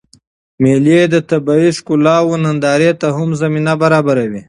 مېلې د طبیعي ښکلاوو نندارې ته هم زمینه برابروي.